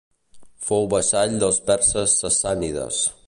Fou vassall dels perses sassànides.